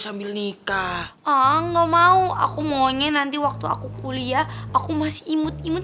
jangan pake gigi liman tuh